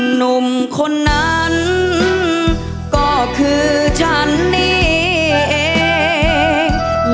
หนุ่มคนนั้นก็คือฉันนี่เอง